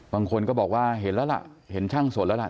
บางคนก็บอกว่าเห็นแล้วล่ะเห็นช่างสนแล้วล่ะ